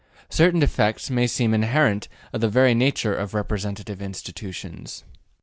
Certain defects seem inherent in the very nature of representative institutions.